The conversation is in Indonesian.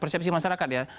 persepsi masyarakat ya